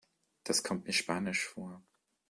Das kommt mir spanisch vor.